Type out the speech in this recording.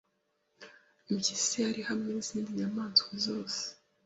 Impyisi yari hamwe n'izindi nyamaswazose